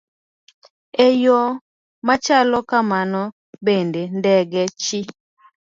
E yo machalo kamano bende, ndege chi